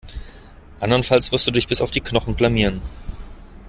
Andernfalls wirst du dich bis auf die Knochen blamieren.